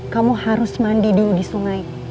kamu harus mandi dulu di sungai